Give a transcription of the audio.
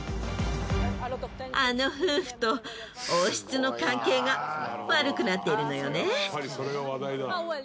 あの夫婦と王室の関係が悪くなっているのよね。